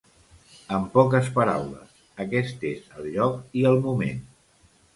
En poques paraules, aquest és el lloc i el moment.